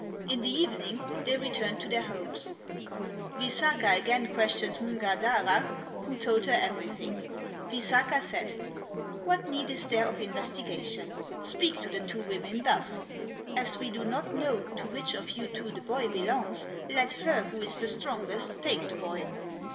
In the evening they re turned to their homes. Visakha again questioned Mrgadhara, who told her ever3rthing. Visakha said, "What need is there of investi gation? Speak to the two women thus: *As we do not know to which of you two the boy belongs, let her who is the strongest take the boy.'